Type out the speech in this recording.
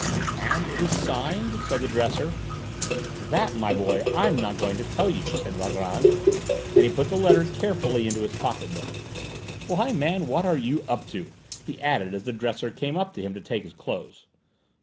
'" "And it is signed ?" said the dresser. "That, my boy, I'm not going to tell you," said Valgrand, and he put the letter carefully into his pocket book. "Why, man, what are you up to?" he added, as the dresser came up to him to take his clothes.